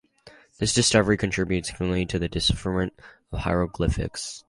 This discovery contributed significantly to the decipherment of hieroglyphics.